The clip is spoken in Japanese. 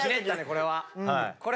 これは。